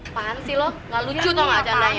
apaan sih lo gak lucu tau gak jandanya